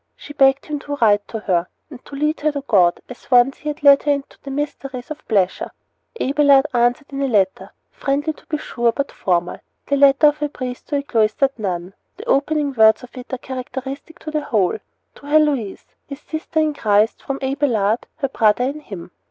She begged him to write to her, and to lead her to God, as once he had led her into the mysteries of pleasure. Abelard answered in a letter, friendly to be sure, but formal the letter of a priest to a cloistered nun. The opening words of it are characteristic of the whole: To Heloise, his sister in Christ, from Abelard, her brother in Him.